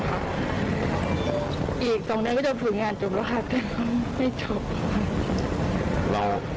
ค่ะอีกสองเดือนก็จะฝืนงานจบแล้วค่ะแต่ไม่ชอบเรา